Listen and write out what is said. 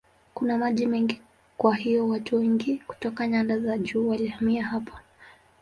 Kuna maji mengi kwa hiyo watu wengi kutoka nyanda za juu walihamia hapa.